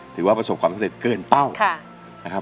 ถือว่าประสบความสำเร็จเกินเป้านะครับ